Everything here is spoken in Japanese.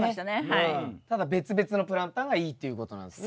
ただ別々のプランターがいいっていうことなんですね。